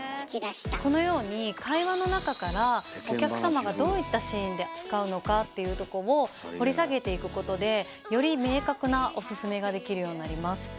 このように会話の中からお客様がどういったシーンで使うのかっていうとこを掘り下げていくことでより明確なオススメができるようになります。